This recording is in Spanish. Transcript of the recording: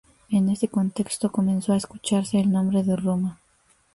En este contexto comenzó a escucharse el nombre de Roma.